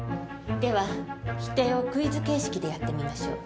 では否定をクイズ形式でやってみましょう。